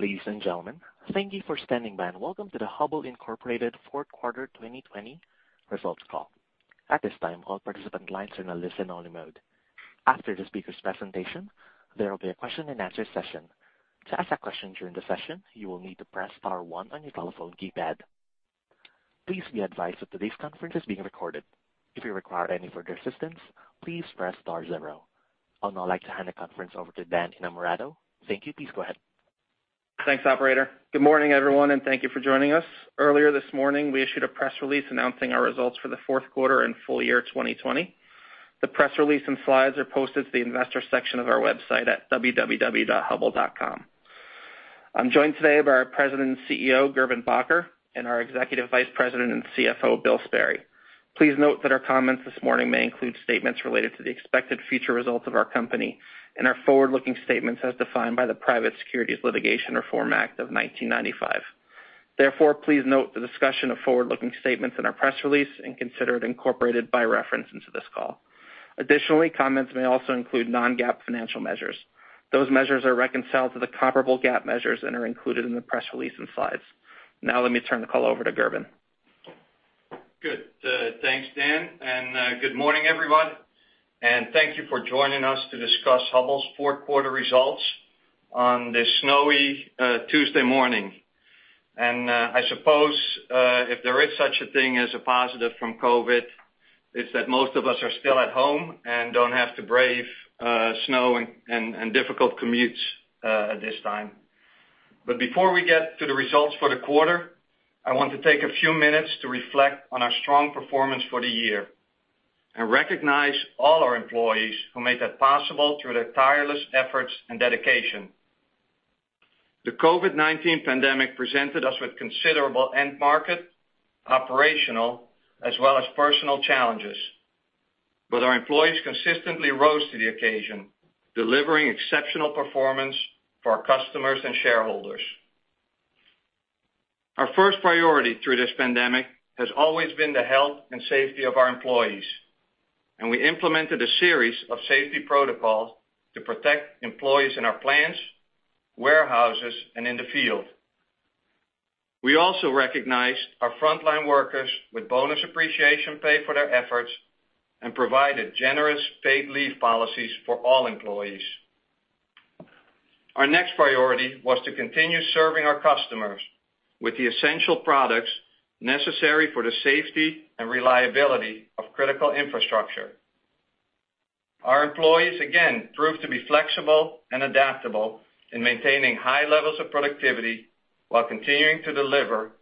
Ladies and gentlemen, thank you for standing by, and welcome to the Hubbell Incorporated Fourth Quarter 2020 Results Call. At this time, all participant lines are in a listen-only mode. After the speaker's presentation, there will be a question-and-answer session. To ask a question during the session, you will need to press star one on your telephone keypad. Please be advised that today's conference is being recorded. If you require any further assistance, please press star zero. I would now like to hand the conference over to Dan Innamorato. Thank you. Please go ahead. Thanks, operator. Good morning, everyone, and thank you for joining us. Earlier this morning, we issued a press release announcing our results for the fourth quarter and full year 2020. The press release and slides are posted to the investor section of our website at www.hubbell.com. I'm joined today by our President and CEO, Gerben Bakker, and our Executive Vice President and CFO, Bill Sperry. Please note that our comments this morning may include statements related to the expected future results of our company and are forward-looking statements as defined by the Private Securities Litigation Reform Act of 1995. Therefore, please note the discussion of forward-looking statements in our press release and consider it incorporated by reference into this call. Additionally, comments may also include non-GAAP financial measures. Those measures are reconciled to the comparable GAAP measures and are included in the press release and slides. Now let me turn the call over to Gerben. Good. Thanks, Dan, and good morning, everyone, and thank you for joining us to discuss Hubbell's fourth quarter results on this snowy Tuesday morning. I suppose if there is such a thing as a positive from COVID, it's that most of us are still at home and don't have to brave snow and difficult commutes at this time. Before we get to the results for the quarter, I want to take a few minutes to reflect on our strong performance for the year and recognize all our employees who made that possible through their tireless efforts and dedication. The COVID-19 pandemic presented us with considerable end market, operational, as well as personal challenges. Our employees consistently rose to the occasion, delivering exceptional performance for our customers and shareholders. Our first priority through this pandemic has always been the health and safety of our employees, and we implemented a series of safety protocols to protect employees in our plants, warehouses, and in the field. We also recognized our frontline workers with bonus appreciation pay for their efforts and provided generous paid leave policies for all employees. Our next priority was to continue serving our customers with the essential products necessary for the safety and reliability of critical infrastructure. Our employees, again, proved to be flexible and adaptable in maintaining high levels of productivity while continuing to deliver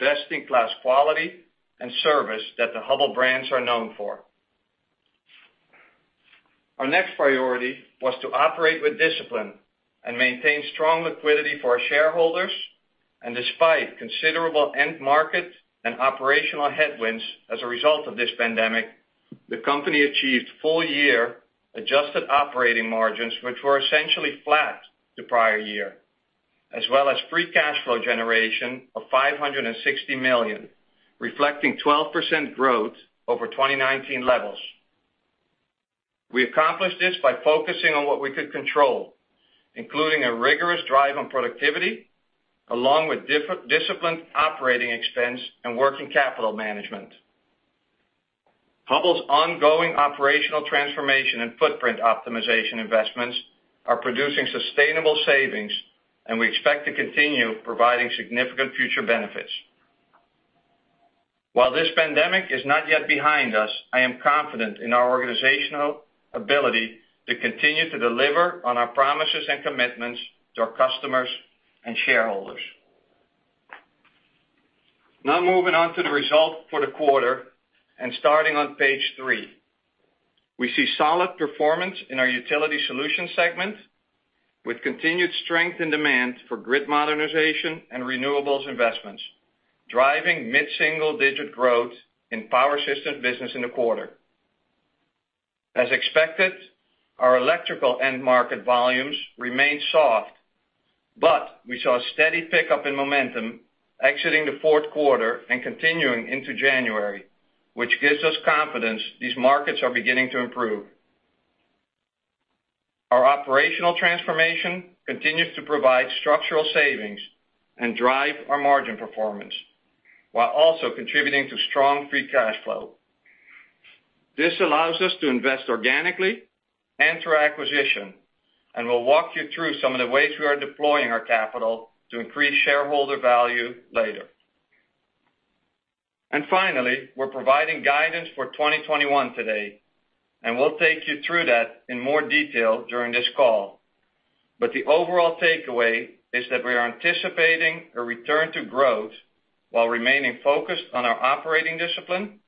best-in-class quality and service that the Hubbell brands are known for. Our next priority was to operate with discipline and maintain strong liquidity for our shareholders. Despite considerable end market and operational headwinds as a result of this pandemic, the company achieved full year adjusted operating margins, which were essentially flat the prior year. As well as free cash flow generation of $560 million, reflecting 12% growth over 2019 levels. We accomplished this by focusing on what we could control, including a rigorous drive on productivity, along with disciplined operating expense and working capital management. Hubbell's ongoing operational transformation and footprint optimization investments are producing sustainable savings, and we expect to continue providing significant future benefits. While this pandemic is not yet behind us, I am confident in our organizational ability to continue to deliver on our promises and commitments to our customers and shareholders. Moving on to the results for the quarter and starting on page three. We see solid performance in our Utility Solutions segment, with continued strength in demand for grid modernization and renewables investments, driving mid-single-digit growth in Power System Business in the quarter. As expected, our electrical end market volumes remained soft, but we saw a steady pickup in momentum exiting the fourth quarter and continuing into January, which gives us confidence these markets are beginning to improve. Our operational transformation continues to provide structural savings and drive our margin performance while also contributing to strong free cash flow. This allows us to invest organically and through acquisition, and we'll walk you through some of the ways we are deploying our capital to increase shareholder value later. Finally, we're providing guidance for 2021 today, and we'll take you through that in more detail during this call. The overall takeaway is that we are anticipating a return to growth while remaining focused on our operating discipline,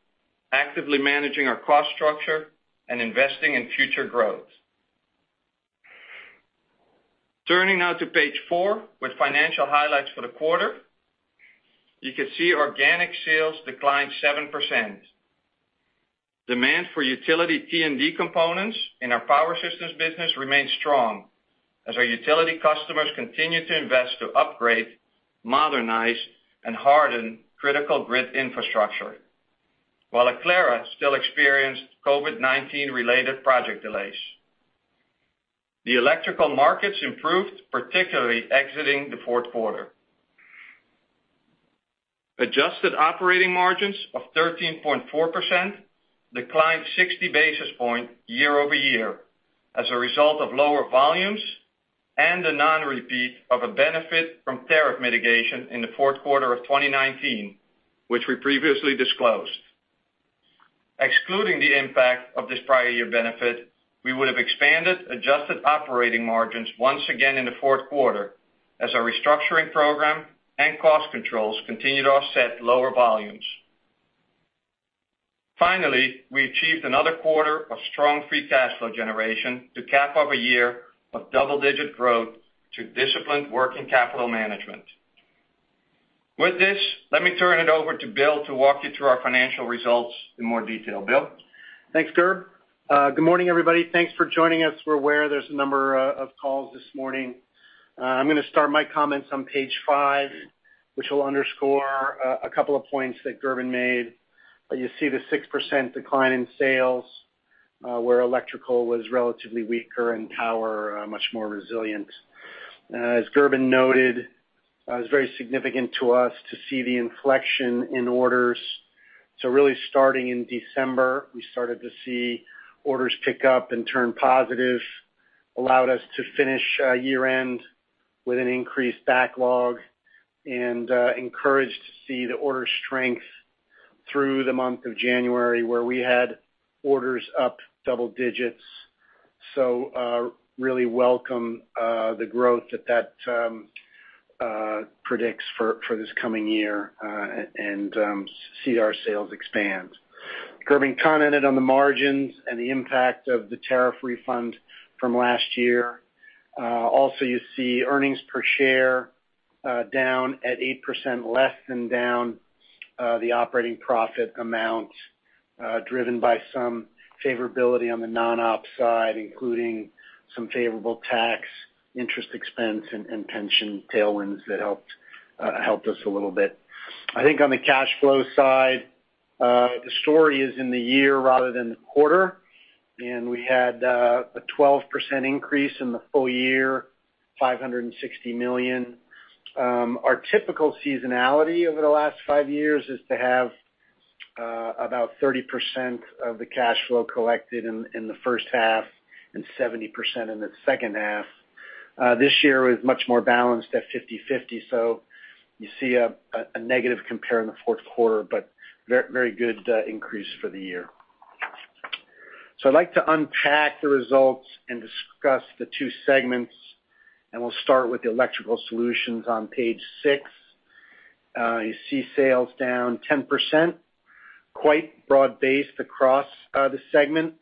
actively managing our cost structure, and investing in future growth. Turning now to page four with financial highlights for the quarter. You can see organic sales declined 7%. Demand for utility T&D components in our power systems business remains strong as our utility customers continue to invest to upgrade, modernize, and harden critical grid infrastructure while Aclara still experienced COVID-19 related project delays. The electrical markets improved, particularly exiting the fourth quarter. Adjusted operating margins of 13.4% declined 60 basis points year-over-year as a result of lower volumes and a non-repeat of a benefit from tariff mitigation in the fourth quarter of 2019, which we previously disclosed. Excluding the impact of this prior year benefit, we would have expanded adjusted operating margins once again in the fourth quarter as our restructuring program and cost controls continued to offset lower volumes. Finally, we achieved another quarter of strong free cash flow generation to cap off a year of double-digit growth through disciplined working capital management. With this, let me turn it over to Bill to walk you through our financial results in more detail. Bill? Thanks, Gerben. Good morning, everybody. Thanks for joining us. We're aware there's a number of calls this morning. I'm going to start my comments on page five, which will underscore a couple of points that Gerben made. You see the 6% decline in sales, where electrical was relatively weaker and power, much more resilient. As Gerben noted, it was very significant to us to see the inflection in orders. Really starting in December, we started to see orders pick up and turn positive, allowed us to finish year-end with an increased backlog, and encouraged to see the order strength through the month of January, where we had orders up double digits. Really welcome the growth that that predicts for this coming year, and see our sales expand. Gerben commented on the margins and the impact of the tariff refund from last year. You see earnings per share down at 8% less than down the operating profit amount, driven by some favorability on the non-op side, including some favorable tax interest expense and pension tailwinds that helped us a little bit. I think on the cash flow side, the story is in the year rather than the quarter, and we had a 12% increase in the full year, $560 million. Our typical seasonality over the last five years is to have about 30% of the cash flow collected in the first half and 70% in the second half. This year was much more balanced at 50/50. You see a negative compare in the fourth quarter, but very good increase for the year. I'd like to unpack the results and discuss the two segments, and we'll start with the Electrical Solutions on page six. You see sales down 10%, quite broad-based across the segment.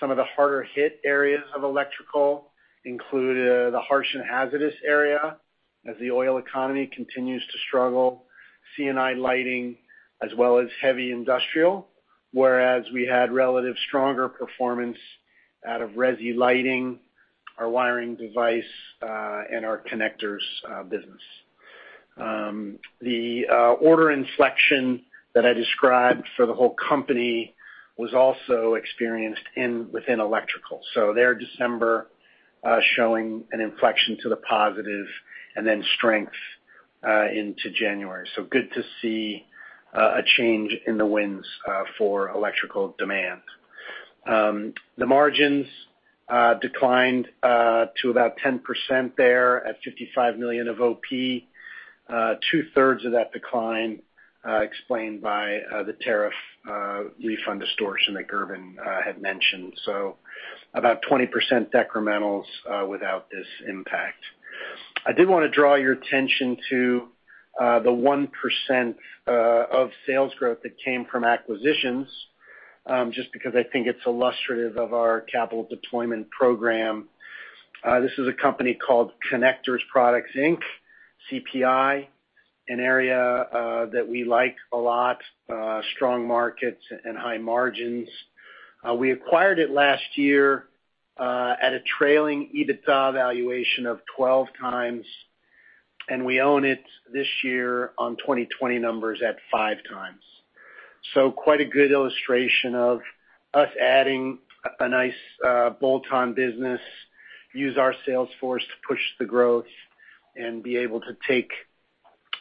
Some of the harder-hit areas of electrical include the harsh and hazardous area as the oil economy continues to struggle, C&I lighting, as well as heavy industrial, whereas we had relative stronger performance out of resi lighting, our wiring device, and our connectors business. The order inflection that I described for the whole company was also experienced within electrical. There, December showing an inflection to the positive and then strength into January. Good to see a change in the winds for electrical demand. The margins declined to about 10% there at $55 million of OP. Two-thirds of that decline explained by the tariff refund distortion that Gerben had mentioned. About 20% decrementals without this impact. I did want to draw your attention to the 1% of sales growth that came from acquisitions, just because I think it's illustrative of our capital deployment program. This is a company called Connector Products Inc., CPI, an area that we like a lot. Strong markets and high margins. We acquired it last year at a trailing EBITDA valuation of 12x, and we own it this year on 2020 numbers at 5x. Quite a good illustration of us adding a nice bolt-on business, use our sales force to push the growth, and be able to take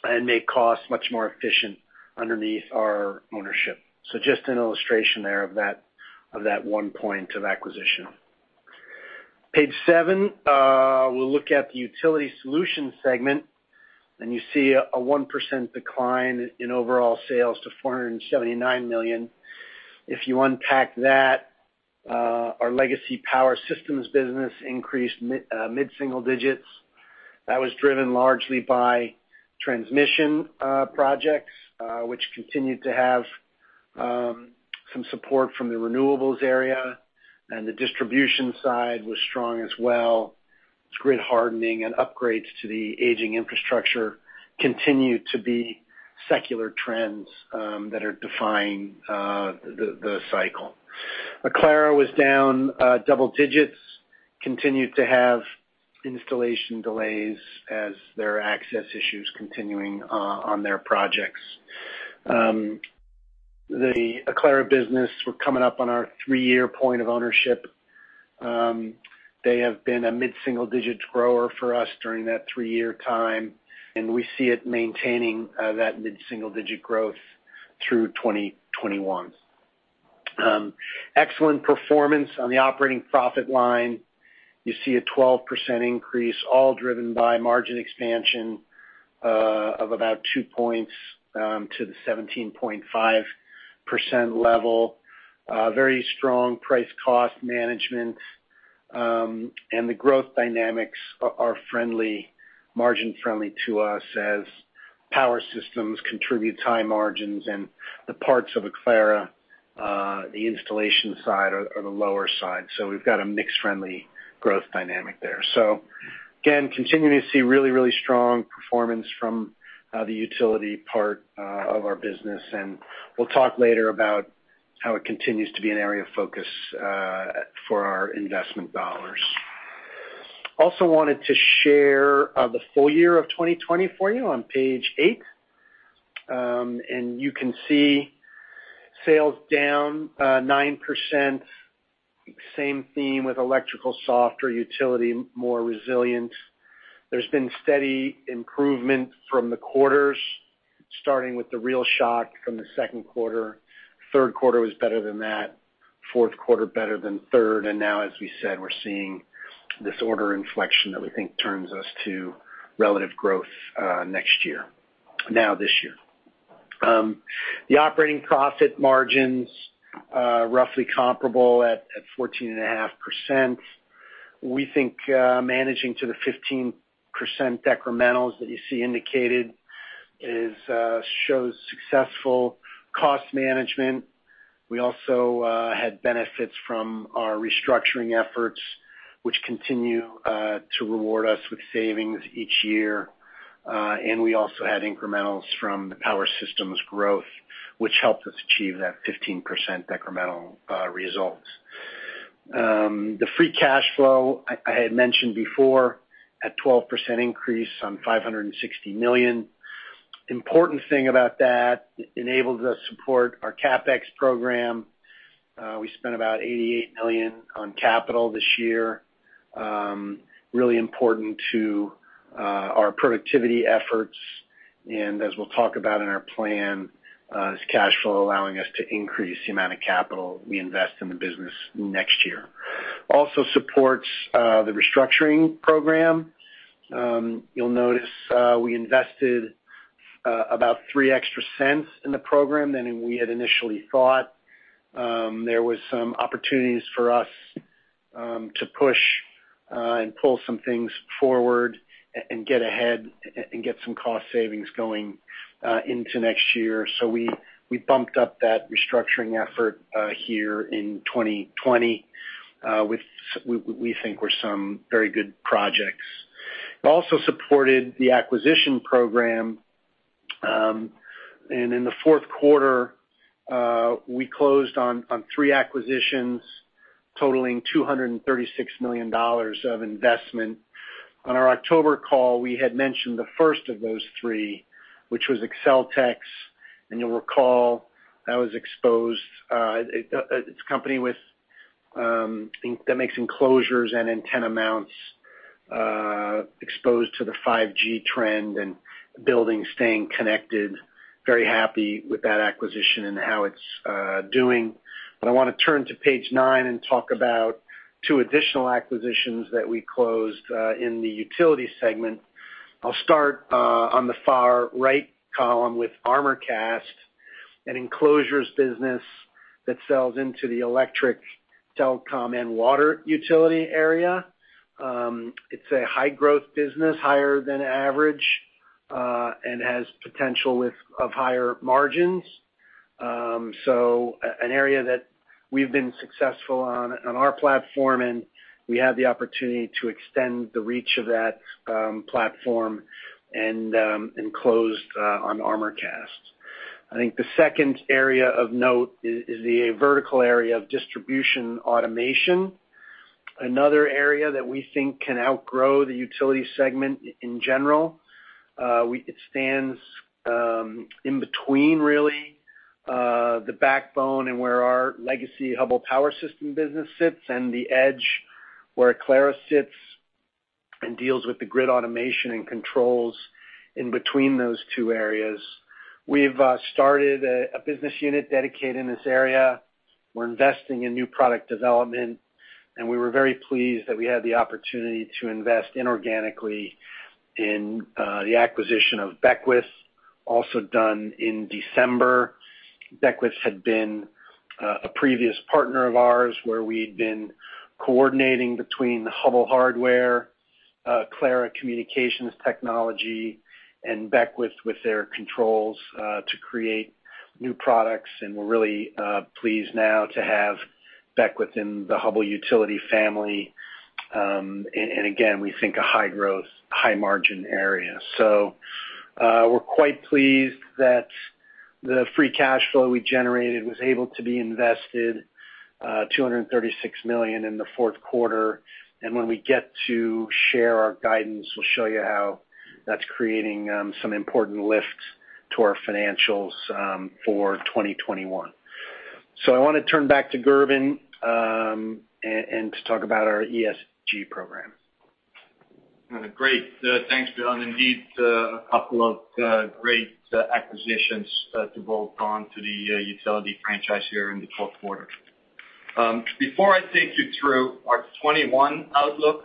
and make costs much more efficient underneath our ownership. Just an illustration there of that one point of acquisition. Page seven, we'll look at the Utility Solutions segment, and you see a 1% decline in overall sales to $479 million. If you unpack that, our legacy power systems business increased mid-single digits. That was driven largely by transmission projects, which continued to have some support from the renewables area, the distribution side was strong as well as grid hardening and upgrades to the aging infrastructure continued to be secular trends that are defining the cycle. Aclara was down double digits, continued to have installation delays as their access issues continuing on their projects. The Aclara business, we're coming up on our three-year point of ownership. They have been a mid-single-digit grower for us during that three-year time, we see it maintaining that mid-single-digit growth through 2021. Excellent performance on the operating profit line. You see a 12% increase, all driven by margin expansion of about 2 points to the 17.5% level. Very strong price cost management. The growth dynamics are margin-friendly to us as Power Systems contribute high margins and the parts of Aclara, the installation side are the lower side. We've got a mixed friendly growth dynamic there. Again, continuing to see really strong performance from the utility part of our business, and we'll talk later about how it continues to be an area of focus for our investment dollars. Also wanted to share the full year of 2020 for you on page eight. You can see sales down 9%, same theme with electrical, softer utility, more resilient. There's been steady improvement from the quarters, starting with the real shock from the second quarter. Third quarter was better than that. Fourth quarter better than third. Now, as we said, we're seeing this order inflection that we think turns us to relative growth this year. The operating profit margins are roughly comparable at 14.5%. We think managing to the 15% decrementals that you see indicated shows successful cost management. We also had benefits from our restructuring efforts, which continue to reward us with savings each year. We also had incrementals from the Power Systems growth, which helped us achieve that 15% decremental results. The free cash flow I had mentioned before, at 12% increase on $560 million. Important thing about that, it enables us support our CapEx program. We spent about $88 million on capital this year. Really important to our productivity efforts. As we'll talk about in our plan, this cash flow allowing us to increase the amount of capital we invest in the business next year. Also supports the restructuring program. You'll notice we invested about $0.03 extra in the program than we had initially thought. There was some opportunities for us to push and pull some things forward and get ahead and get some cost savings going into next year. We bumped up that restructuring effort here in 2020, with we think were some very good projects. Also supported the acquisition program. In the fourth quarter, we closed on three acquisitions totaling $236 million of investment. On our October call, we had mentioned the first of those three, which was AccelTex, and you'll recall that was exposed. It's a company that makes enclosures and antenna mounts exposed to the 5G trend and buildings staying connected. Very happy with that acquisition and how it's doing. I want to turn to page nine and talk about two additional acquisitions that we closed in the utility segment. I'll start on the far right column with Armorcast, an enclosures business that sells into the electric, telecom, and water utility area. It's a high-growth business, higher than average, and has potential of higher margins. An area that we've been successful on our platform, and we have the opportunity to extend the reach of that platform and closed on Armorcast. I think the second area of note is the vertical area of distribution automation. Another area that we think can outgrow the utility segment in general. It stands in between really the backbone and where our legacy Hubbell Power Systems business sits, and the edge where Aclara sits and deals with the grid automation and controls in between those two areas. We've started a business unit dedicated in this area. We're investing in new product development, and we were very pleased that we had the opportunity to invest inorganically in the acquisition of Beckwith, also done in December. Beckwith had been a previous partner of ours where we'd been coordinating between Hubbell hardware, Aclara communications technology, and Beckwith with their controls to create new products. We're really pleased now to have Beckwith within the Hubbell utility family. Again, we think a high-growth, high-margin area. We're quite pleased that the free cash flow we generated was able to be invested, $236 million in the fourth quarter. When we get to share our guidance, we'll show you how that's creating some important lifts to our financials for 2021. I want to turn back to Gerben, and to talk about our ESG program. Great. Thanks, Bill, indeed, a couple of great acquisitions to both add on to the utility franchise here in the fourth quarter. Before I take you through our 2021 outlook,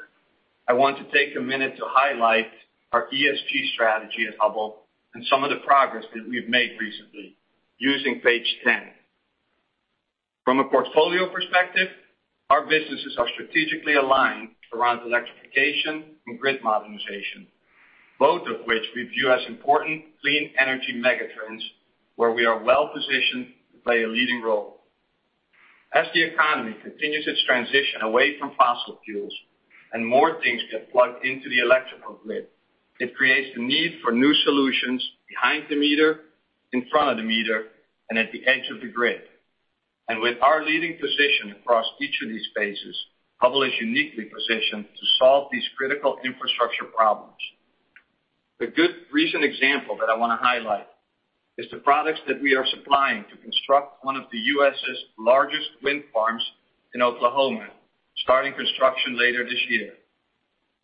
I want to take a minute to highlight our ESG strategy at Hubbell and some of the progress that we've made recently, using page 10. From a portfolio perspective, our businesses are strategically aligned around electrification and grid modernization, both of which we view as important clean energy megatrends, where we are well-positioned to play a leading role. As the economy continues its transition away from fossil fuels, and more things get plugged into the electrical grid, it creates the need for new solutions behind the meter, in front of the meter, and at the edge of the grid. With our leading position across each of these spaces, Hubbell is uniquely positioned to solve these critical infrastructure problems. A good recent example that I want to highlight is the products that we are supplying to construct one of the U.S. largest wind farms in Oklahoma, starting construction later this year.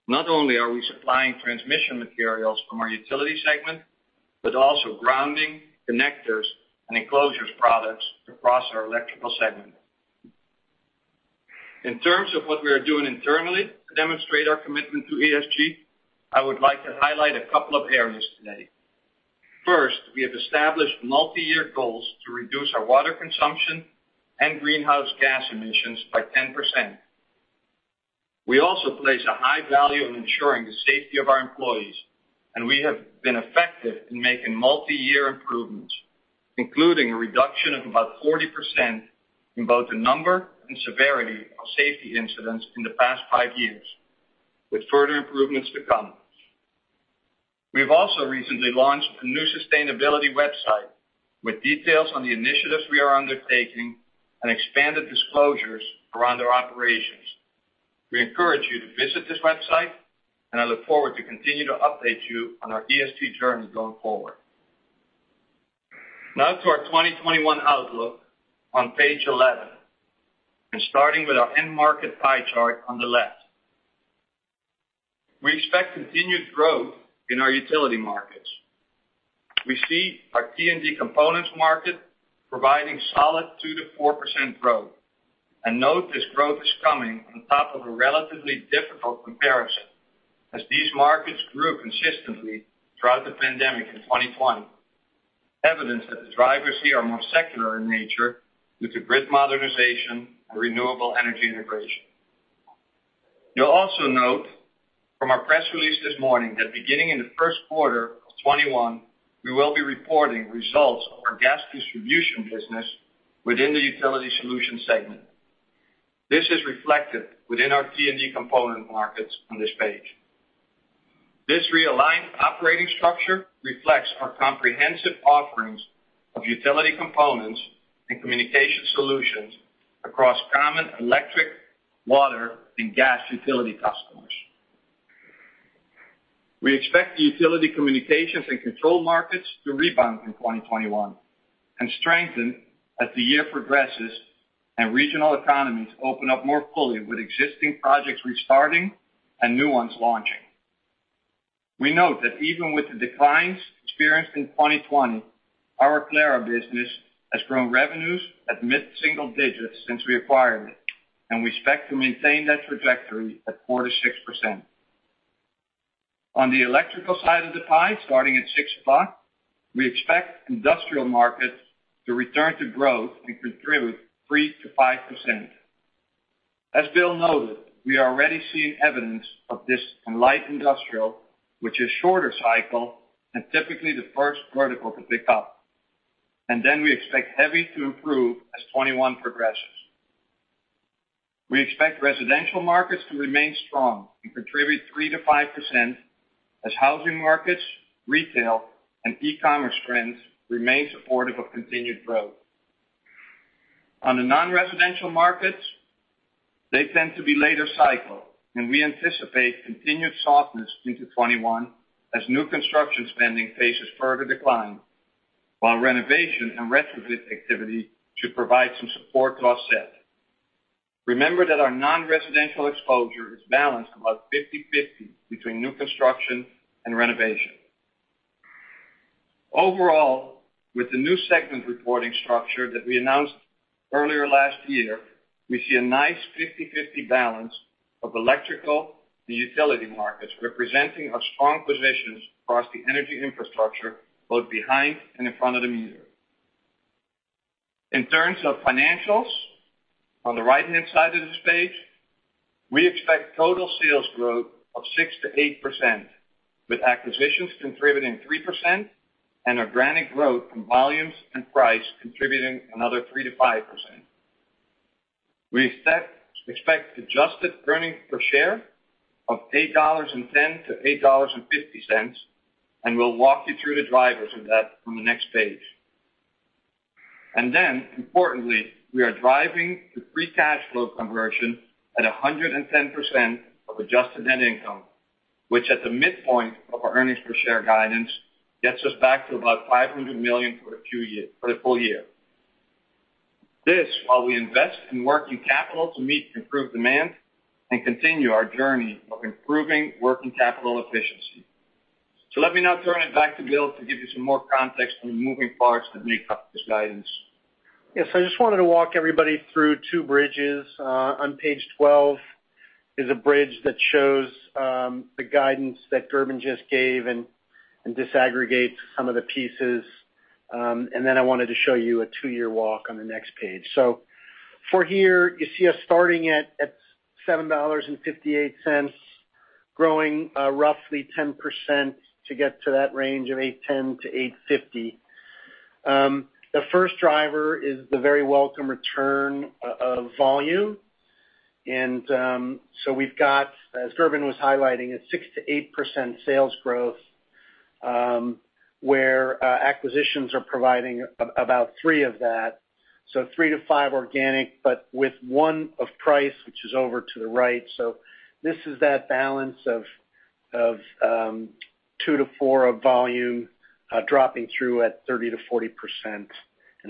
Not only are we supplying transmission materials from our utility segment, but also grounding connectors and enclosures products across our electrical segment. In terms of what we are doing internally to demonstrate our commitment to ESG, I would like to highlight a couple of areas today. First, we have established multi-year goals to reduce our water consumption and greenhouse gas emissions by 10%. We also place a high value on ensuring the safety of our employees, and we have been effective in making multi-year improvements, including a reduction of about 40% in both the number and severity of safety incidents in the past five years, with further improvements to come. We've also recently launched a new sustainability website with details on the initiatives we are undertaking and expanded disclosures around our operations. We encourage you to visit this website, and I look forward to continue to update you on our ESG journey going forward. Now to our 2021 outlook on page 11, and starting with our end market pie chart on the left. We expect continued growth in our utility markets. We see our T&D components market providing solid 2%-4% growth. Note this growth is coming on top of a relatively difficult comparison, as these markets grew consistently throughout the pandemic in 2020. Evidence that the drivers here are more secular in nature due to grid modernization and renewable energy integration. You'll also note from our press release this morning that beginning in the first quarter of 2021, we will be reporting results of our gas distribution business within the Utility Solutions segment. This is reflected within our T&D component markets on this page. This realigned operating structure reflects our comprehensive offerings of utility components and communication solutions across common electric, water, and gas utility customers. We expect the utility communications and control markets to rebound in 2021 and strengthen as the year progresses and regional economies open up more fully with existing projects restarting and new ones launching. We note that even with the declines experienced in 2020, our Aclara business has grown revenues at mid-single digits since we acquired it, and we expect to maintain that trajectory at 4%-6%. On the electrical side of the pie, starting at six o'clock, we expect industrial markets to return to growth and contribute 3%-5%. As Bill noted, we are already seeing evidence of this in light industrial, which is shorter cycle and typically the first vertical to pick up. We expect heavy to improve as 2021 progresses. We expect residential markets to remain strong and contribute 3%-5% as housing markets, retail, and e-commerce trends remain supportive of continued growth. On the non-residential markets, they tend to be later cycle, and we anticipate continued softness into 2021 as new construction spending faces further decline, while renovation and retrofit activity should provide some support to offset. Remember that our non-residential exposure is balanced about 50/50 between new construction and renovation. Overall, with the new segment reporting structure that we announced earlier last year, we see a nice 50/50 balance of electrical and utility markets, representing our strong positions across the energy infrastructure, both behind and in front of the meter. In terms of financials, on the right-hand side of this page, we expect total sales growth of 6%-8%, with acquisitions contributing 3%. Organic growth from volumes and price contributing another 3%-5%. We expect adjusted earnings per share of $8.10-$8.50. We'll walk you through the drivers of that on the next page. Importantly, we are driving the free cash flow conversion at 110% of adjusted net income, which at the midpoint of our earnings per share guidance, gets us back to about $500 million for the full year. This, while we invest in working capital to meet improved demand and continue our journey of improving working capital efficiency. Let me now turn it back to Bill to give you some more context on the moving parts that make up this guidance. Yes. I just wanted to walk everybody through two bridges. On page 12 is a bridge that shows the guidance that Gerben just gave and disaggregates some of the pieces. I wanted to show you a two-year walk on the next page. You see us starting at $7.58, growing roughly 10% to get to that range of $8.10-$8.50. The first driver is the very welcome return of volume. We've got, as Gerben was highlighting, a 6%-8% sales growth, where acquisitions are providing about 3% of that. 3-5% organic, but with 1 of price, which is over to the right. This is that balance of 2%-4% of volume, dropping through at 30%-40%.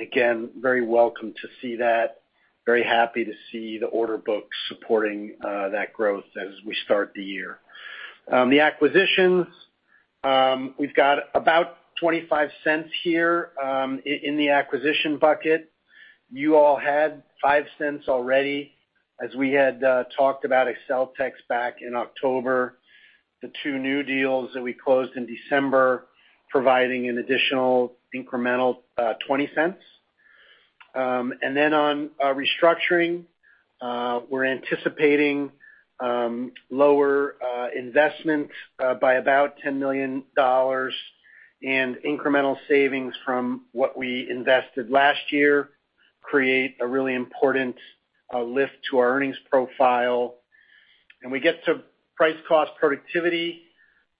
Again, very welcome to see that. Very happy to see the order books supporting that growth as we start the year. The acquisitions, we've got about $0.25 here, in the acquisition bucket. You all had $0.05 already, as we had talked about AccelTex back in October. The two new deals that we closed in December providing an additional incremental, $0.20. On restructuring, we're anticipating lower investment by about $10 million and incremental savings from what we invested last year create a really important lift to our earnings profile. We get to price cost productivity.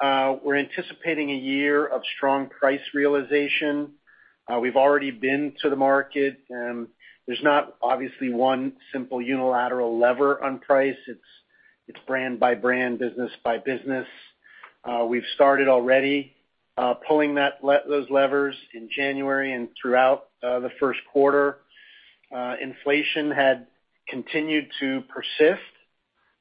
We're anticipating a year of strong price realization. We've already been to the market. There's not obviously one simple unilateral lever on price. It's brand by brand, business by business. We've started already pulling those levers in January and throughout the first quarter. Inflation had continued to persist.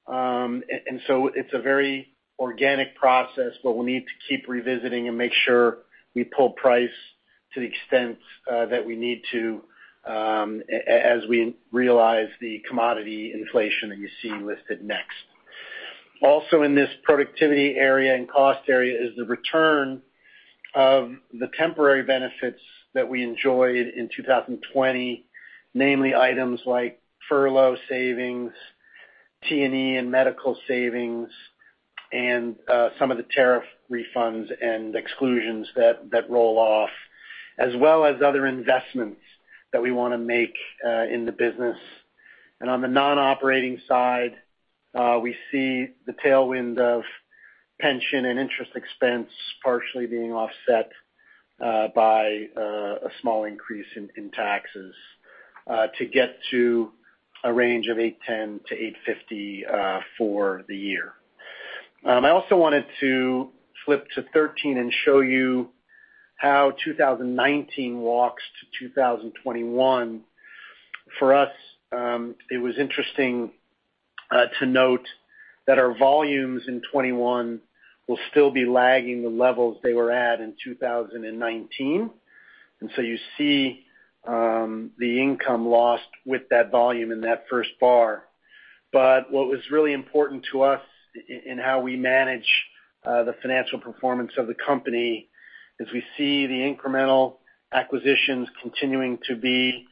It's a very organic process, but we'll need to keep revisiting and make sure we pull price to the extent that we need to as we realize the commodity inflation that you see listed next. Also in this productivity area and cost area is the return of the temporary benefits that we enjoyed in 2020, namely items like furlough savings, T&E and medical savings, and some of the tariff refunds and exclusions that roll off, as well as other investments that we want to make in the business. On the non-operating side, we see the tailwind of pension and interest expense partially being offset by a small increase in taxes to get to a range of $8.10-$8.50 for the year. I also wanted to flip to 13 and show you how 2019 walks to 2021. For us, it was interesting to note that our volumes in 2021 will still be lagging the levels they were at in 2019. You see the income lost with that volume in that first bar. What was really important to us in how we manage the financial performance of the company is we see the incremental acquisitions continuing to be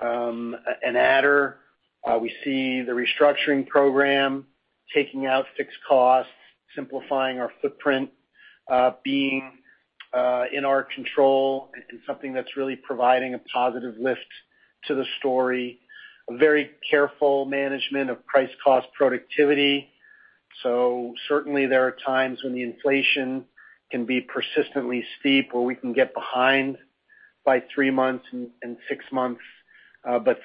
an adder. We see the restructuring program taking out fixed costs, simplifying our footprint, being in our control and something that's really providing a positive lift to the story. A very careful management of price cost productivity. Certainly, there are times when the inflation can be persistently steep, where we can get behind by three months and six months.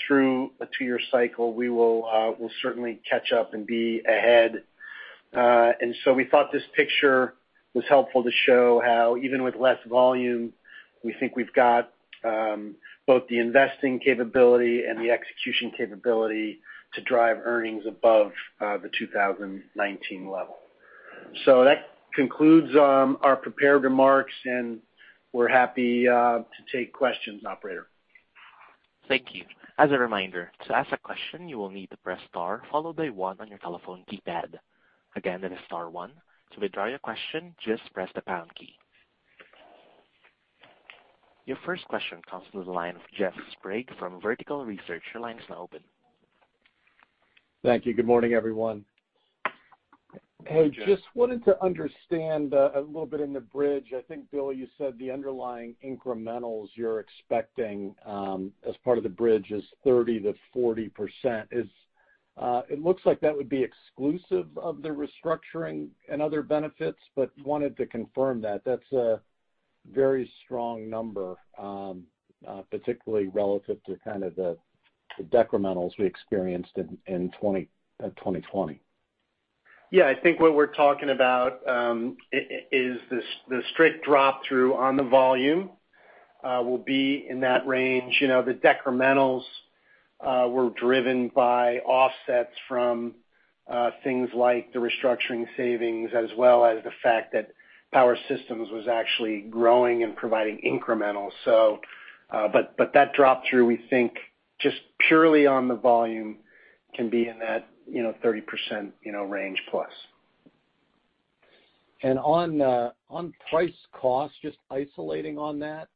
Through a two-year cycle, we will certainly catch up and be ahead. We thought this picture was helpful to show how, even with less volume, we think we've got both the investing capability and the execution capability to drive earnings above the 2019 level. That concludes our prepared remarks, and we're happy to take questions, operator. Thank you. As a reminder, to ask a question, you will need to press star followed by one on your telephone keypad. Again, that is star one. To withdraw your question, just press the pound key. Your first question comes from the line of Jeff Sprague from Vertical Research. Your line is now open. Thank you. Good morning, everyone. Hey, just wanted to understand a little bit in the bridge. I think, Bill, you said the underlying incrementals you're expecting as part of the bridge is 30%-40%. It looks like that would be exclusive of the restructuring and other benefits. Wanted to confirm that. That's a very strong number, particularly relative to kind of the decrementals we experienced in 2020. Yeah, I think what we're talking about is the strict drop-through on the volume will be in that range. The decrementals were driven by offsets from things like the restructuring savings, as well as the fact that Power Systems was actually growing and providing incremental. That drop-through, we think, just purely on the volume, can be in that 30% range plus. On price cost, just isolating on that,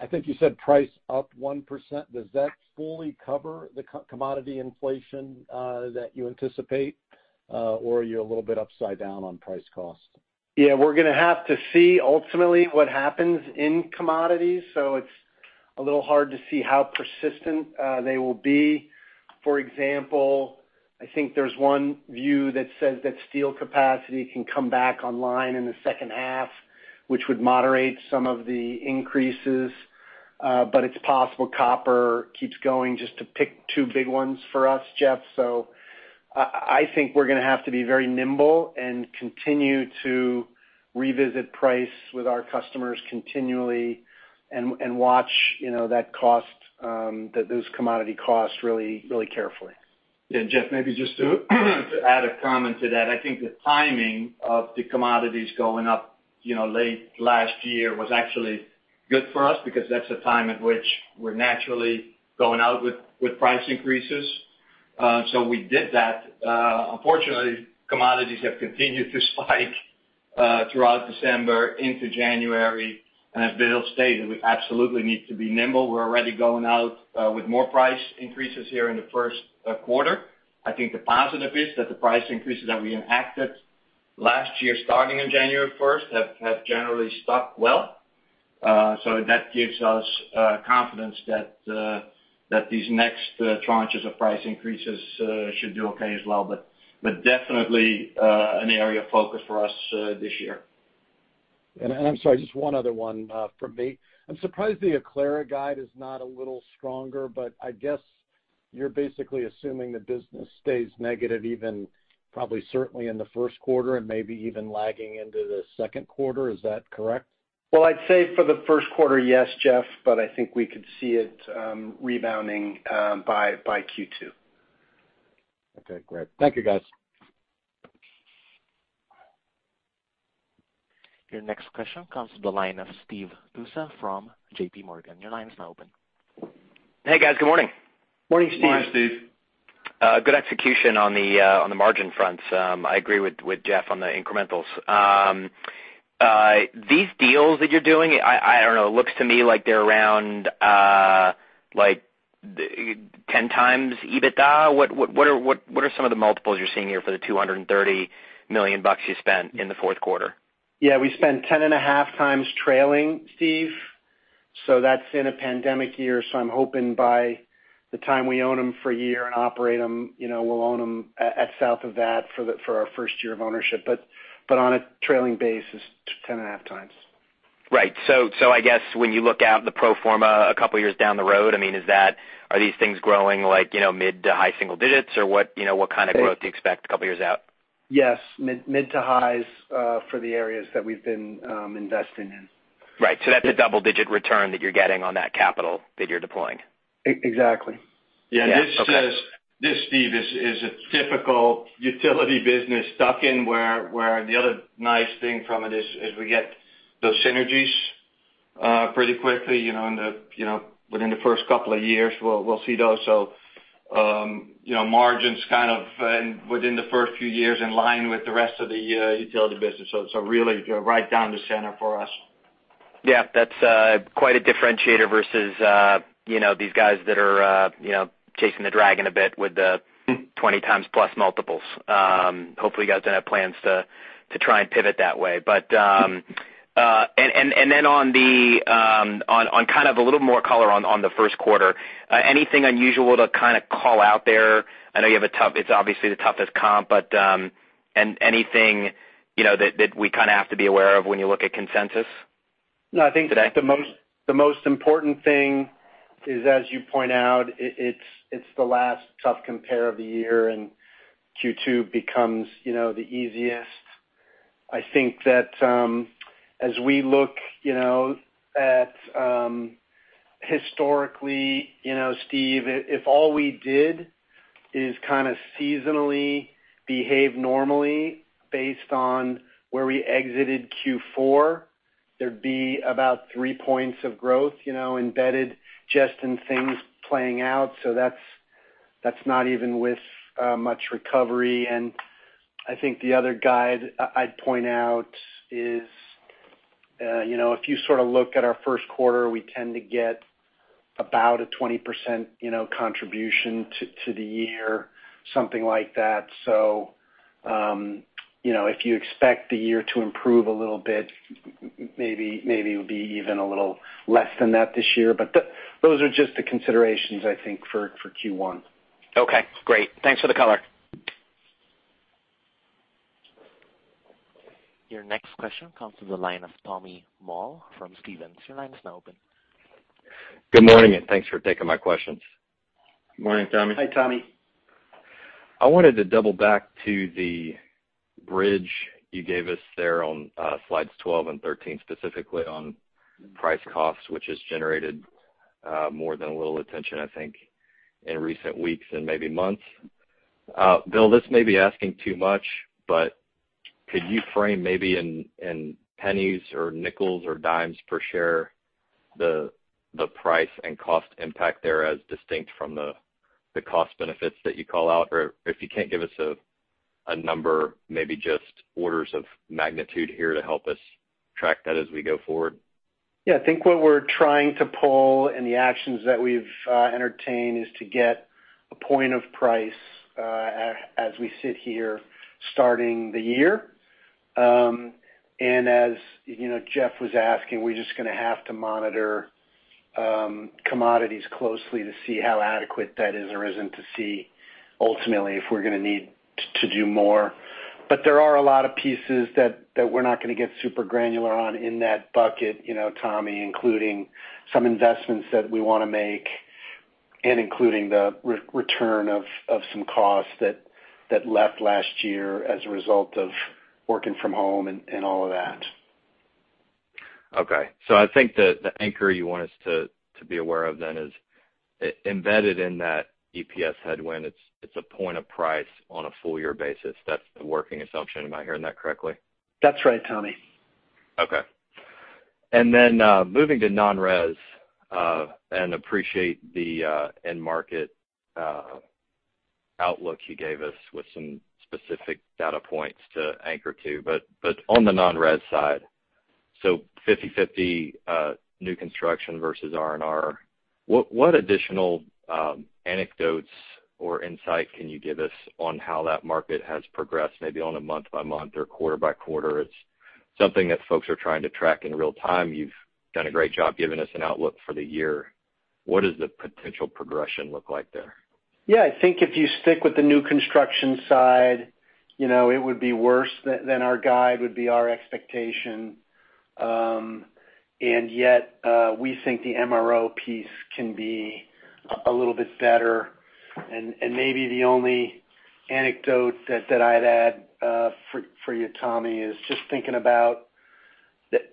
I think you said price up 1%. Does that fully cover the commodity inflation that you anticipate? Are you a little bit upside down on price cost? We're going to have to see ultimately what happens in commodities. It's a little hard to see how persistent they will be. For example, I think there's one view that says that steel capacity can come back online in the second half, which would moderate some of the increases. It's possible copper keeps going, just to pick two big ones for us, Jeff. I think we're going to have to be very nimble and continue to revisit price with our customers continually and watch those commodity costs really carefully. Yeah, Jeff, maybe just to add a comment to that. I think the timing of the commodities going up late last year was actually good for us because that's a time at which we're naturally going out with price increases. We did that. Unfortunately, commodities have continued to spike throughout December into January. As Bill stated, we absolutely need to be nimble. We're already going out with more price increases here in the first quarter. I think the positive is that the price increases that we enacted last year, starting on January first, have generally stuck well. That gives us confidence that these next tranches of price increases should do okay as well. Definitely an area of focus for us this year. I'm sorry, just one other one from me. I'm surprised the Aclara guide is not a little stronger, but I guess you're basically assuming the business stays negative even probably certainly in the first quarter and maybe even lagging into the second quarter. Is that correct? Well, I'd say for the first quarter, yes, Jeff, but I think we could see it rebounding by Q2. Okay, great. Thank you, guys. Your next question comes from the line of Steve Tusa from J.P. Morgan. Your line is now open. Hey, guys. Good morning. Morning, Steve. Morning, Steve. Good execution on the margin fronts. I agree with Jeff on the incrementals. These deals that you're doing, I don't know, it looks to me like they're around 10x EBITDA. What are some of the multiples you're seeing here for the $230 million you spent in the fourth quarter? Yeah, we spent 10.5x Trailing, Steve. That's in a pandemic year, I'm hoping by the time we own them for a year and operate them, we'll own them at south of that for our first year of ownership. On a trailing basis, 10.5x. Right. I guess when you look out the pro forma a couple of years down the road, are these things growing like mid to high single digits? What kind of growth do you expect a couple of years out? Yes. Mid to highs for the areas that we've been investing in. Right. That's a double-digit return that you're getting on that capital that you're deploying. Exactly. Yeah. Steve, this is a typical utility business tuck-in where the other nice thing from it is we get those synergies pretty quickly within the first couple of years, we'll see those. Margins kind of within the first few years in line with the rest of the utility business. Really right down the center for us. Yeah. That's quite a differentiator versus these guys that are chasing the dragon a bit with the 20x plus multiples. Hopefully, you guys don't have plans to try and pivot that way. Then a little more color on the first quarter. Anything unusual to kind of call out there? I know it's obviously the toughest comp, but anything that we kind of have to be aware of when you look at consensus today? I think the most important thing is, as you point out, it's the last tough compare of the year, and Q2 becomes the easiest. I think that as we look at historically, Steve, if all we did is kind of seasonally behave normally based on where we exited Q4, there'd be about three points of growth embedded just in things playing out. That's not even with much recovery. I think the other guide I'd point out is. If you look at our first quarter, we tend to get about a 20% contribution to the year, something like that. If you expect the year to improve a little bit, maybe it'll be even a little less than that this year. Those are just the considerations, I think, for Q1. Okay, great. Thanks for the color. Your next question comes from the line of Tommy Moll from Stephens. Your line is now open. Good morning, thanks for taking my questions. Good morning, Tommy. Hi, Tommy. I wanted to double back to the bridge you gave us there on slides 12 and 13, specifically on price costs, which has generated more than a little attention, I think, in recent weeks and maybe months. Bill, this may be asking too much, but could you frame maybe in pennies or nickels or dimes per share the price and cost impact there as distinct from the cost benefits that you call out? Or if you can't give us a number, maybe just orders of magnitude here to help us track that as we go forward. Yeah, I think what we're trying to pull and the actions that we've entertained is to get a point of price as we sit here starting the year. As Jeff was asking, we're just going to have to monitor commodities closely to see how adequate that is or isn't, to see ultimately if we're going to need to do more. There are a lot of pieces that we're not going to get super granular on in that bucket, Tommy, including some investments that we want to make and including the return of some costs that left last year as a result of working from home and all of that. Okay. I think the anchor you want us to be aware of then is embedded in that EPS headwind. It's a point of price on a full year basis. That's the working assumption. Am I hearing that correctly? That's right, Tommy. Okay. Then, moving to non-res, and appreciate the end market outlook you gave us with some specific data points to anchor to. On the non-res side, 50/50 new construction versus R&R, what additional anecdotes or insight can you give us on how that market has progressed, maybe on a month-by-month or quarter-by-quarter? It's something that folks are trying to track in real time. You've done a great job giving us an outlook for the year. What does the potential progression look like there? Yeah, I think if you stick with the new construction side, it would be worse than our guide, would be our expectation. Yet, we think the MRO piece can be a little bit better. Maybe the only anecdote that I'd add for you, Tommy, is just thinking about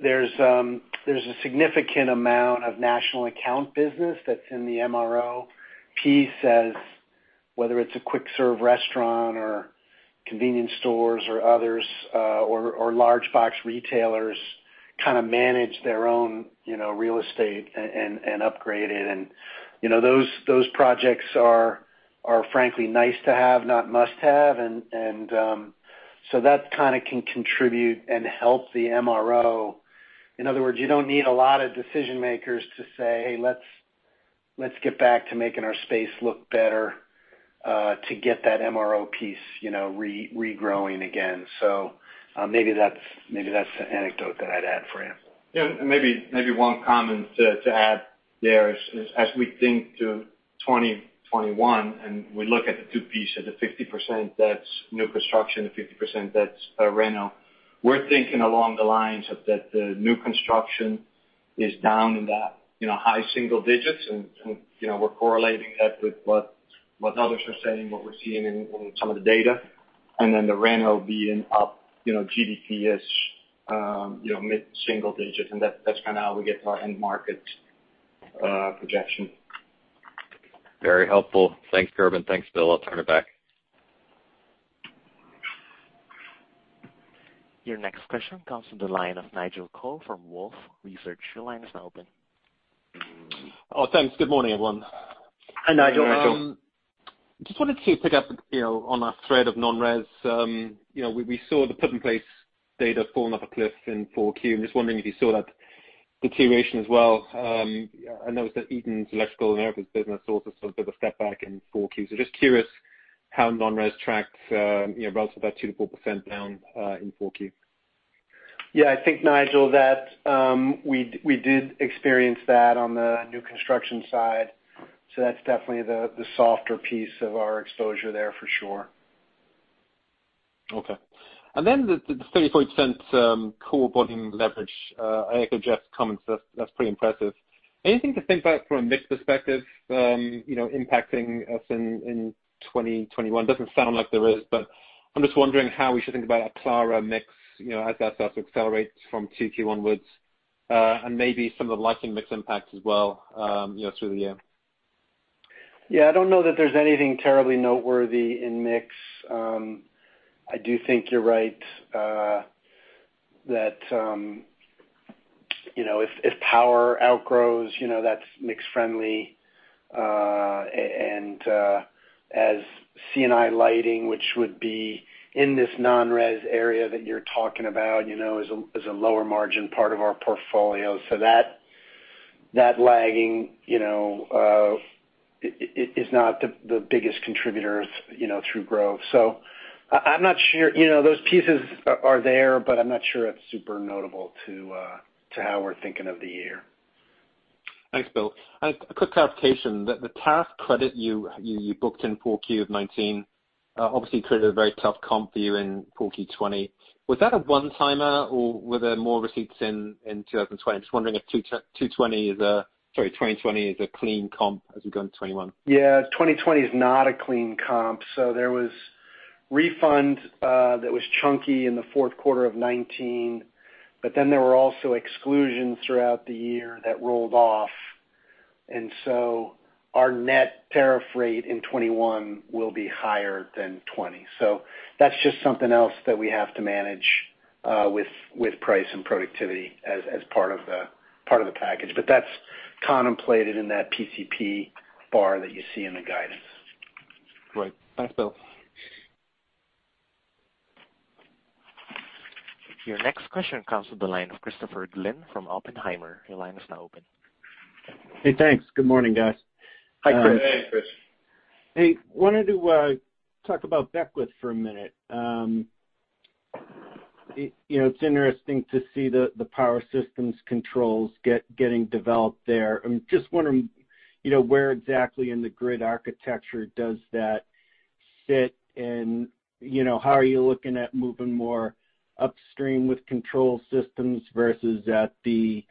there's a significant amount of national account business that's in the MRO piece, as whether it's a quick serve restaurant or convenience stores or others or large box retailers manage their own real estate and upgrade it. Those projects are frankly nice to have, not must have. That can contribute and help the MRO. In other words, you don't need a lot of decision makers to say, "Hey, let's get back to making our space look better," to get that MRO piece regrowing again. Maybe that's the anecdote that I'd add for you. Yeah, maybe one comment to add there is, as we think to 2021, we look at the two pieces, the 50% that's new construction, the 50% that's reno, we're thinking along the lines of that the new construction is down in the high single digits, we're correlating that with what others are saying, what we're seeing in some of the data. Then the reno being up GDP-ish mid-single digits, that's how we get to our end market projection. Very helpful. Thanks, Gerben. Thanks, Bill. I'll turn it back. Your next question comes from the line of Nigel Coe from Wolfe Research. Your line is now open. Oh, thanks. Good morning, everyone. Hi, Nigel. Just wanted to pick up on our thread of non-res. We saw the put-in-place data falling off a cliff in 4Q. I'm just wondering if you saw that deterioration as well. I noticed that Eaton's electrical business also saw a bit of a step back in 4Q. Just curious how non-res tracked relative, that 2%-4% down in 4Q. Yeah, I think, Nigel, that we did experience that on the new construction side. That's definitely the softer piece of our exposure there, for sure. Okay. The 34% core bottom leverage. I echo Jeff's comments. That's pretty impressive. Anything to think about from a mix perspective impacting us in 2021? It doesn't sound like there is, but I'm just wondering how we should think about Aclara mix as that starts to accelerate from 2Q onwards. Maybe some of the lighting mix impact as well through the year. Yeah, I don't know that there's anything terribly noteworthy in mix. I do think you're right that if power outgrows, that's mix friendly. As C&I lighting, which would be in this non-res area that you're talking about, is a lower margin part of our portfolio. That lagging is not the biggest contributor through growth. I'm not sure. Those pieces are there, but I'm not sure it's super notable to how we're thinking of the year. Thanks, Bill. A quick clarification, the tariff credit you booked in 4Q of 2019, obviously created a very tough comp for you in 4Q 2020. Was that a one-timer or were there more receipts in 2020? I'm just wondering if 2020 is a clean comp as we go into 2021. Yeah, 2020 is not a clean comp. There was refund that was chunky in the fourth quarter of 2019, but then there were also exclusions throughout the year that rolled off. Our net tariff rate in 2021 will be higher than 2020. That's just something else that we have to manage with price and productivity as part of the package. That's contemplated in that PCP bar that you see in the guidance. Great. Thanks, Bill. Your next question comes from the line of Christopher Glynn from Oppenheimer. Your line is now open. Hey, thanks. Good morning, guys. Hi, Chris. Good morning, Chris. Hey, wanted to talk about Beckwith for a minute. It's interesting to see the power systems controls getting developed there. I'm just wondering, where exactly in the grid architecture does that sit and how are you looking at moving more upstream with control systems versus at the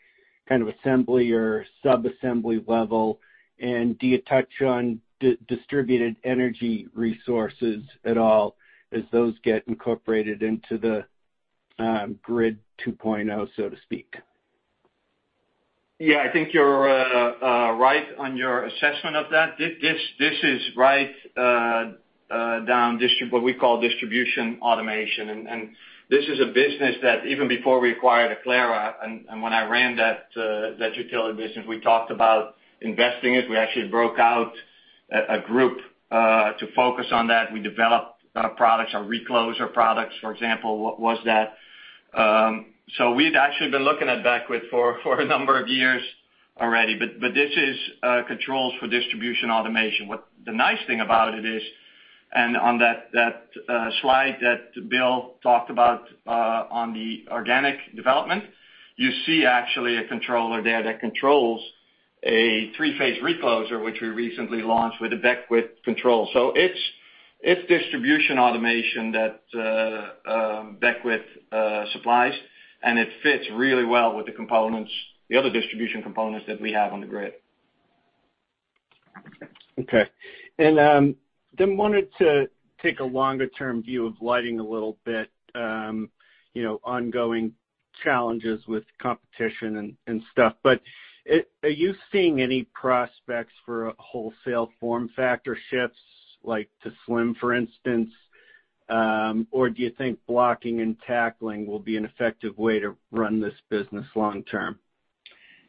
kind of assembly or sub-assembly level? And do you touch on distributed energy resources at all as those get incorporated into the grid 2.0, so to speak? I think you're right on your assessment of that. This is right down what we call distribution automation. This is a business that even before we acquired Aclara, when I ran that utility business, we talked about investing it. We actually broke out a group to focus on that. We developed products, our recloser products, for example, was that. We'd actually been looking at Beckwith for a number of years already. This is controls for distribution automation. What the nice thing about it is, and on that slide that Bill talked about on the organic development, you see actually a controller there that controls a three-phase recloser, which we recently launched with a Beckwith control. It's distribution automation that Beckwith supplies, and it fits really well with the other distribution components that we have on the grid. Okay. Wanted to take a longer-term view of lighting a little bit, ongoing challenges with competition and stuff. Are you seeing any prospects for a wholesale form factor shifts like to SLIM, for instance? Do you think blocking and tackling will be an effective way to run this business long term?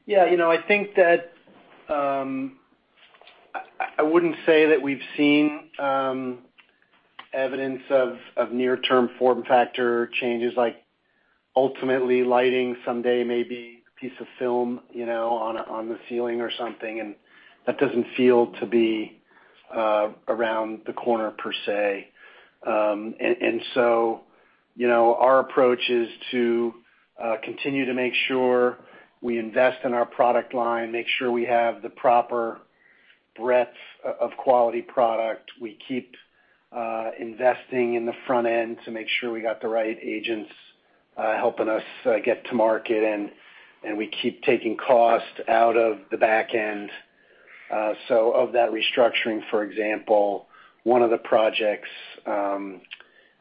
Yeah, I think that I wouldn't say that we've seen evidence of near-term form factor changes like ultimately lighting someday may be a piece of film on the ceiling or something, and that doesn't feel to be around the corner per se. Our approach is to continue to make sure we invest in our product line, make sure we have the proper breadth of quality product. We keep investing in the front end to make sure we got the right agents helping us get to market, and we keep taking cost out of the back end. Of that restructuring, for example, one of the projects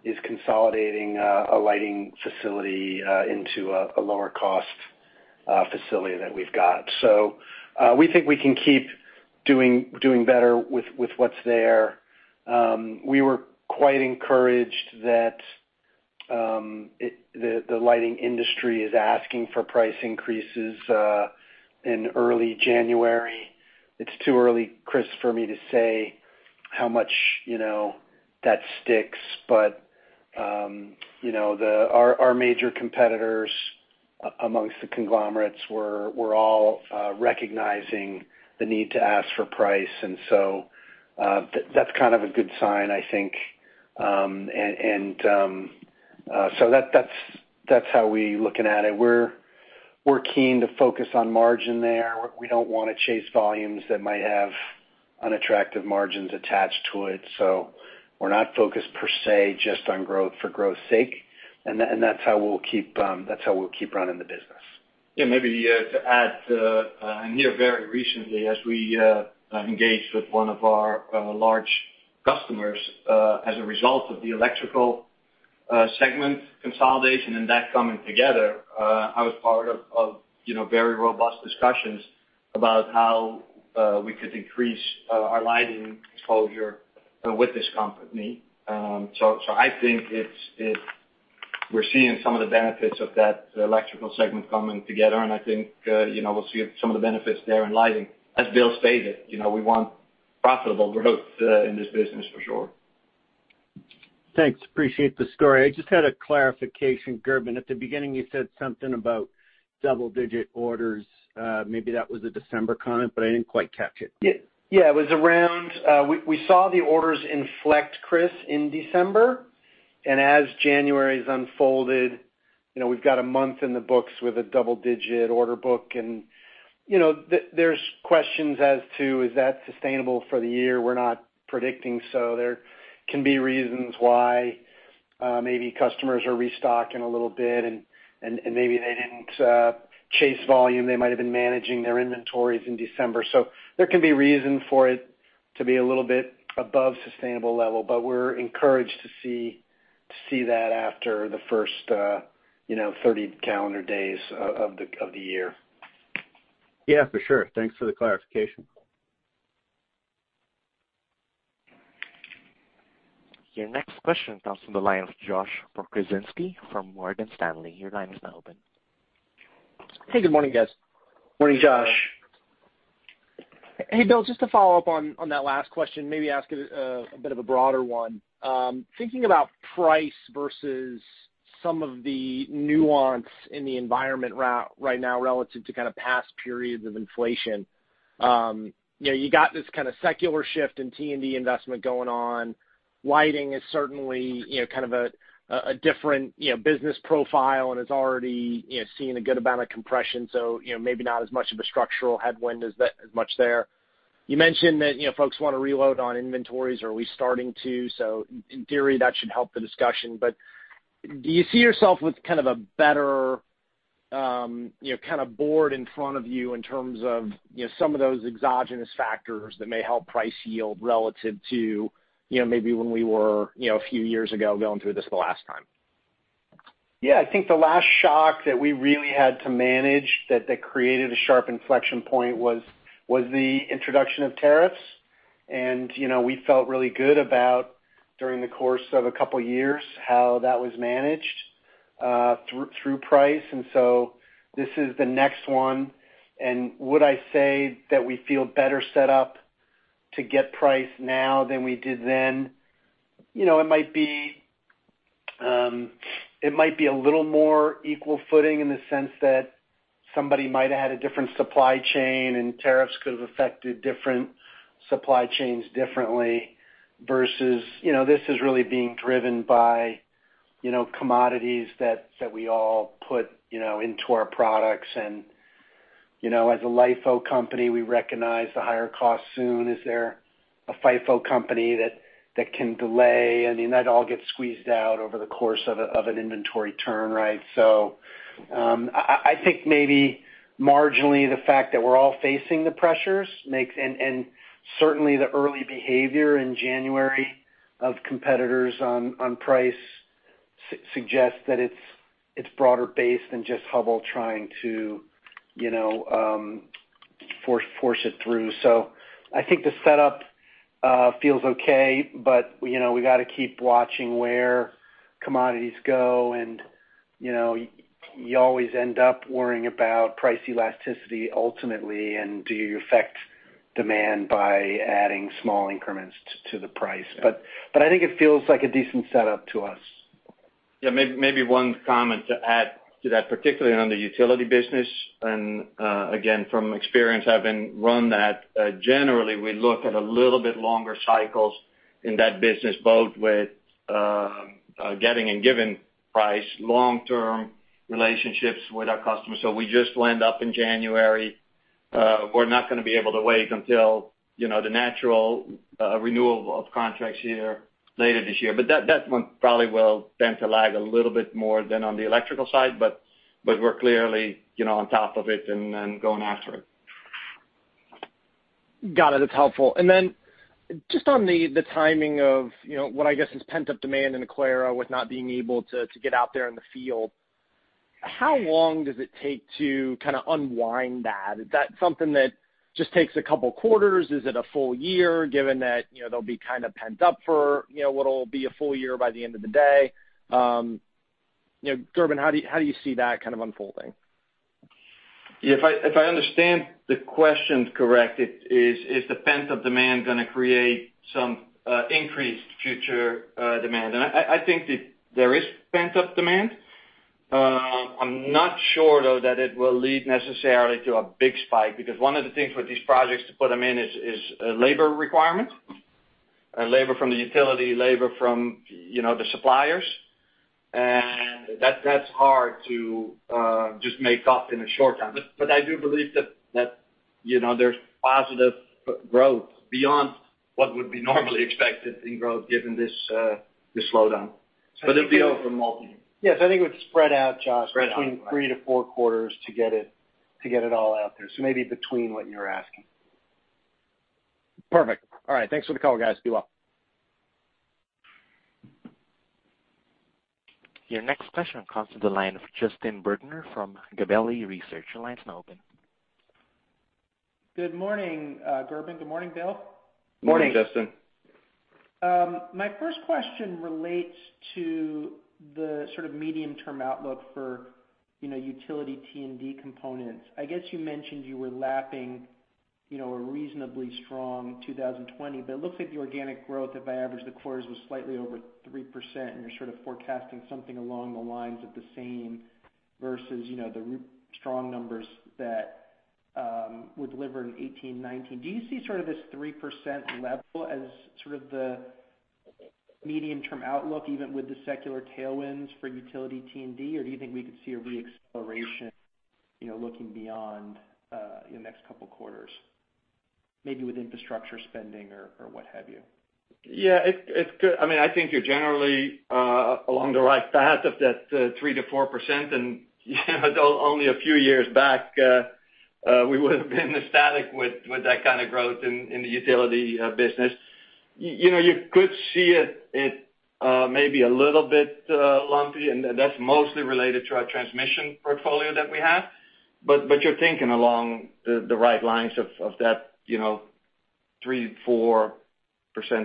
is consolidating a lighting facility into a lower cost facility that we've got. We think we can keep doing better with what's there. We were quite encouraged that the lighting industry is asking for price increases in early January. It's too early, Chris, for me to say how much that sticks, but our major competitors amongst the conglomerates were all recognizing the need to ask for price. That's kind of a good sign, I think. That's how we're looking at it. We're keen to focus on margin there. We don't want to chase volumes that might have unattractive margins attached to it. We're not focused per se, just on growth for growth's sake. That's how we'll keep running the business. Yeah, maybe to add, here very recently as we engaged with one of our large customers as a result of the electrical segment consolidation and that coming together, I was part of very robust discussions about how we could increase our lighting exposure with this company. I think we're seeing some of the benefits of that electrical segment coming together. I think we'll see some of the benefits there in lighting. As Bill stated, we want profitable growth in this business for sure. Thanks. Appreciate the story. I just had a clarification, Gerben. At the beginning, you said something about double-digit orders. Maybe that was a December comment, but I didn't quite catch it. We saw the orders inflect, Chris, in December. As January's unfolded, we've got a month in the books with a double-digit order book. There's questions as to, is that sustainable for the year? We're not predicting so. There can be reasons why maybe customers are restocking a little bit and maybe they didn't chase volume. They might've been managing their inventories in December. There can be reason for it to be a little bit above sustainable level. We're encouraged to see that after the first 30 calendar days of the year. Yeah, for sure. Thanks for the clarification. Your next question comes from the line of Josh Pokrzywinski from Morgan Stanley. Your line is now open. Hey, good morning, guys. Morning, Josh. Hey, Bill, just to follow up on that last question, maybe ask a bit of a broader one. Thinking about price versus some of the nuance in the environment right now relative to past periods of inflation. You got this kind of secular shift in T&D investment going on. Lighting is certainly kind of a different business profile and has already seen a good amount of compression, so maybe not as much of a structural headwind as much there. You mentioned that folks want to reload on inventories, or are we starting to? In theory, that should help the discussion. Do you see yourself with kind of a better board in front of you in terms of some of those exogenous factors that may help price yield relative to maybe when we were a few years ago going through this the last time? I think the last shock that we really had to manage that created a sharp inflection point was the introduction of tariffs, and we felt really good about, during the course of a couple years, how that was managed through price. So this is the next one, and would I say that we feel better set up to get price now than we did then? It might be a little more equal footing in the sense that somebody might have had a different supply chain and tariffs could have affected different supply chains differently versus this is really being driven by commodities that we all put into our products. As a LIFO company, we recognize the higher cost soon. Is there a FIFO company that can delay? That all gets squeezed out over the course of an inventory turn, right? I think maybe marginally, the fact that we're all facing the pressures makes, and certainly the early behavior in January of competitors on price suggests that it's broader based than just Hubbell trying to force it through. I think the setup feels okay, but we got to keep watching where commodities go, and you always end up worrying about price elasticity ultimately, and do you affect demand by adding small increments to the price. I think it feels like a decent setup to us. Yeah, maybe one comment to add to that, particularly on the utility business, and again, from experience, having run that, generally, we look at a little bit longer cycles in that business, both with getting and giving price, long-term relationships with our customers. We just went up in January. We're not going to be able to wait until the natural renewal of contracts here later this year. That one probably will tend to lag a little bit more than on the electrical side, but we're clearly on top of it and going after it. Got it. That's helpful. Just on the timing of what I guess is pent-up demand in Aclara with not being able to get out there in the field, how long does it take to kind of unwind that? Is that something that just takes a couple quarters? Is it a full year, given that they'll be kind of pent-up for what'll be a full year by the end of the day? Gerben, how do you see that kind of unfolding? If I understand the question correctly, is the pent-up demand going to create some increased future demand? I think that there is pent-up demand. I'm not sure, though, that it will lead necessarily to a big spike because one of the things with these projects to put them in is labor requirement, labor from the utility, labor from the suppliers. That's hard to just make up in a short time. I do believe that there's positive growth beyond what would be normally expected in growth given this slowdown. Yes, I think it would spread out, Josh- Spread out.... between three to four quarters to get it all out there. Maybe between what you're asking. Perfect. All right. Thanks for the call, guys. Be well. Your next question comes to the line of Justin Bergner from Gabelli Research. Good morning, Gerben. Good morning, Bill. Morning. Morning, Justin. My first question relates to the sort of medium-term outlook for utility T&D components. I guess you mentioned you were lapping a reasonably strong 2020, but it looks like the organic growth, if I average the quarters, was slightly over 3%, and you're sort of forecasting something along the lines of the same versus the strong numbers that were delivered in 2018, 2019. Do you see sort of this 3% level as sort of the medium-term outlook, even with the secular tailwinds for utility T&D? Or do you think we could see a re-acceleration looking beyond the next couple of quarters, maybe with infrastructure spending or what have you? Yeah. I think you're generally along the right path of that 3%-4%. Only a few years back, we would've been ecstatic with that kind of growth in the utility business. You could see it maybe a little bit lumpy, and that's mostly related to our transmission portfolio that we have. You're thinking along the right lines of that 3%-4%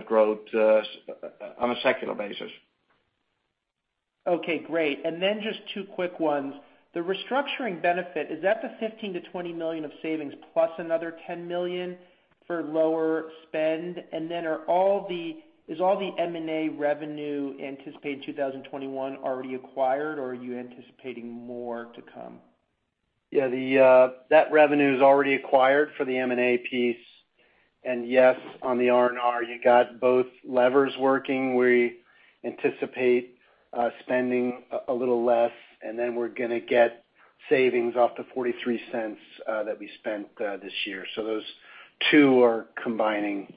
growth on a secular basis. Okay, great. Just two quick ones. The restructuring benefit, is that the $15 million-$20 million of savings plus another $10 million for lower spend? Is all the M&A revenue anticipated in 2021 already acquired, or are you anticipating more to come? Yeah. That revenue is already acquired for the M&A piece. Yes, on the R&R, you got both levers working. We anticipate spending a little less, and then we're going to get savings off the $0.43 that we spent this year. Those two are combining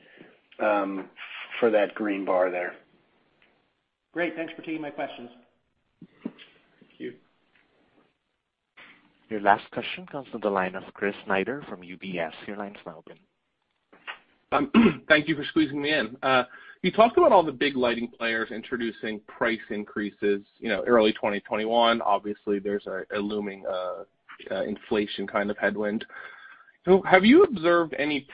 for that green bar there. Great. Thanks for taking my questions. Thank you. Your last question comes from the line of Chris Snyder from UBS. Your line's now open. Thank you for squeezing me in. You talked about all the big lighting players introducing price increases early 2021. Obviously, there's a looming inflation kind of headwind. Have you observed any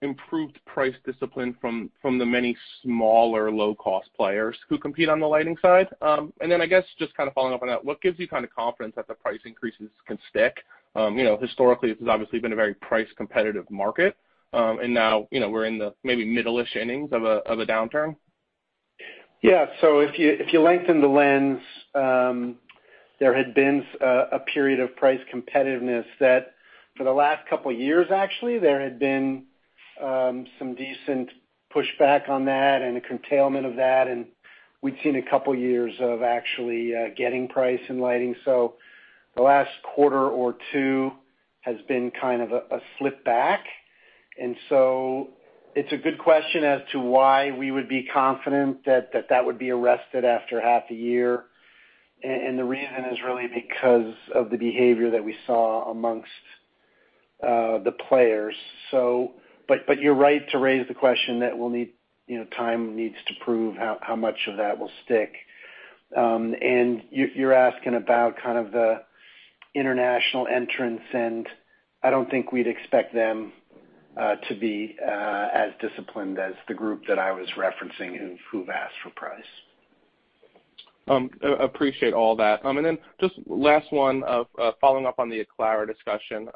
improved price discipline from the many smaller low-cost players who compete on the lighting side? I guess just kind of following up on that, what gives you confidence that the price increases can stick? Historically, this has obviously been a very price-competitive market. Now we're in the maybe middle-ish innings of a downturn. If you lengthen the lens, there had been a period of price competitiveness, that for the last couple of years, actually, there had been some decent pushback on that and a curtailment of that, and we'd seen a couple of years of actually getting price in lighting. The last quarter or two has been kind of a slip back. It's a good question as to why we would be confident that that would be arrested after half a year. You're asking about kind of the international entrants, and I don't think we'd expect them to be as disciplined as the group that I was referencing who've asked for price. Appreciate all that. Just last one, following up on the Aclara discussion.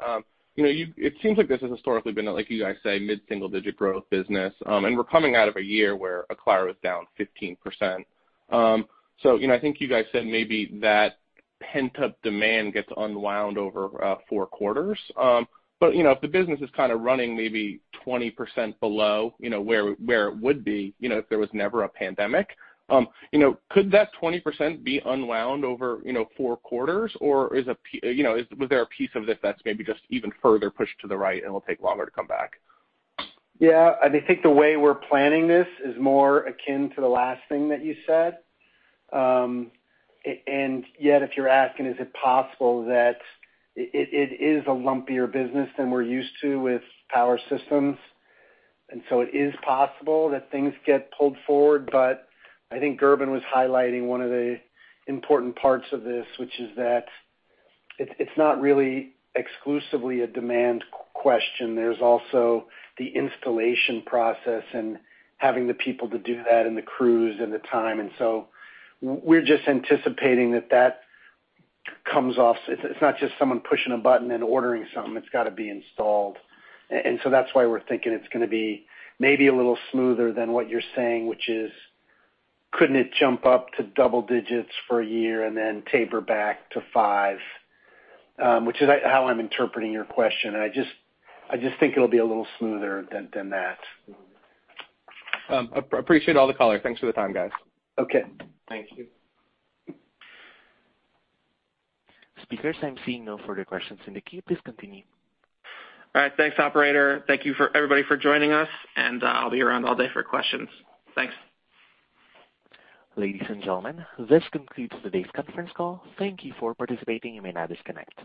It seems like this has historically been, like you guys say, mid-single-digit growth business. We're coming out of a year where Aclara was down 15%. I think you guys said maybe that pent-up demand gets unwound over four quarters. If the business is kind of running maybe 20% below where it would be if there was never a pandemic, could that 20% be unwound over four quarters? Was there a piece of this that's maybe just even further pushed to the right and will take longer to come back? Yeah. I think the way we're planning this is more akin to the last thing that you said. Yet, if you're asking, is it possible that it is a lumpier business than we're used to with power systems, and so it is possible that things get pulled forward. I think Gerben was highlighting one of the important parts of this, which is that it's not really exclusively a demand question. There's also the installation process and having the people to do that and the crews and the time. We're just anticipating that comes off. It's not just someone pushing a button and ordering something. It's got to be installed. That's why we're thinking it's going to be maybe a little smoother than what you're saying, which is couldn't it jump up to double digits for a year and then taper back to five, which is how I'm interpreting your question, and I just think it'll be a little smoother than that. Appreciate all the color. Thanks for the time, guys. Okay. Thank you. Speakers, I'm seeing no further questions in the queue. Please continue. All right. Thanks, operator. Thank you everybody for joining us, and I'll be around all day for questions. Thanks. Ladies and gentlemen, this concludes today's conference call. Thank you for participating. You may now disconnect.